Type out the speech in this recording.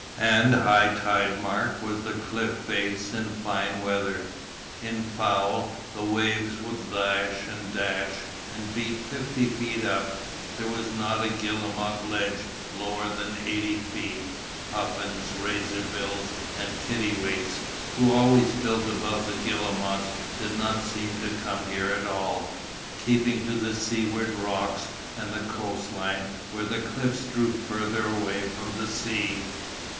And high tide mark was the cliff base in fine weather, in foul, the waves would lash and dash and beat fifty feet up, there was not a guillemot ledge lower than eighty feet, puffins, razorbills and kittiwakes, who always build above the guillemots did not seem to come here at all, keeping to the seaward rocks and the coast line where the cliffs drew further away from the sea.